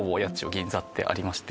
銀座ってありまして